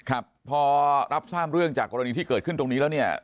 ครับพอรับทราบเรื่องจากกรณีที่เกิดขึ้นตรงนี้แล้วเนี่ย